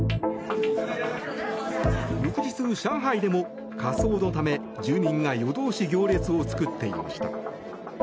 翌日、上海でも火葬のため住民が夜通し行列を作っていました。